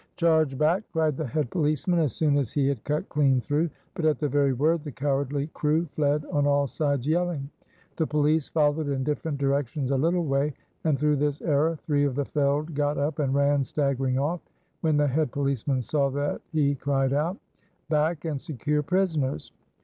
"Charge back!" cried the head policeman as soon as he had cut clean through. But at the very word the cowardly crew fled on all sides yelling. The police followed in different directions a little way, and through this error three of the felled got up and ran staggering off. When the head policeman saw that he cried out: "Back, and secure prisoners."